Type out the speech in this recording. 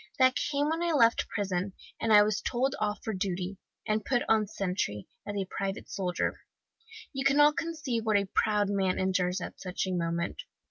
That came when I left prison, and was told off for duty, and put on sentry, as a private soldier. You can not conceive what a proud man endures at such a moment.